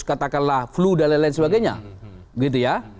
katakanlah flu dan lain lain sebagainya